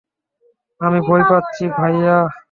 আমি ভয় পাচ্ছি ভাইয়া।